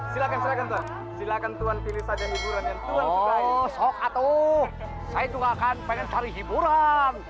saya juga akan pengen cari hiburan